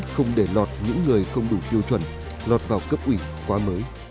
không để lọt những người không đủ tiêu chuẩn lọt vào cấp ủy khóa mới